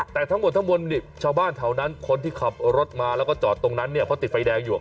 แต่ทั้งหมดทั้งมวลชาวบ้านแถวนั้นคนที่ขับรถมาแล้วก็จอดตรงนั้นเนี่ยเพราะติดไฟแดงอยู่